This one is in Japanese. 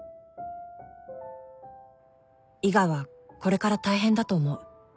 「伊賀はこれから大変だと思う」